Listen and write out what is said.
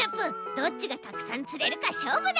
どっちがたくさんつれるかしょうぶだ！